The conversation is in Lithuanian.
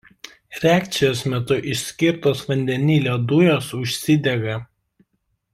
Reakcijos metu išskirtos vandenilio dujos užsidega.